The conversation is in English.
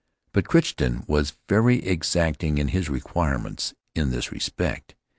But Crichton was very exacting in his re quirements in this respect.